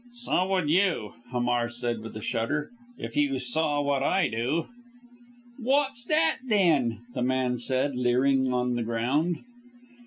"So would you," Hamar said with a shudder, "if you saw what I do!" "What's that, then?" the man said leering on the ground.